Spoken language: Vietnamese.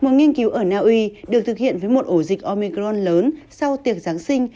một nghiên cứu ở naui được thực hiện với một ổ dịch omicron lớn sau tiệc giáng sinh